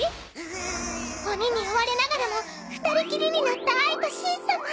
鬼に追われながらも２人きりになったあいとしん様